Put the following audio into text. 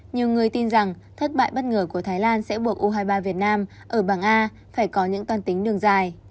nhiều người tin rằng thất bại bất ngờ của thái lan sẽ buộc u hai mươi ba việt nam ở bảng a phải có những toan tính đường dài